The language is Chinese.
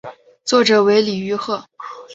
作者为李愚赫。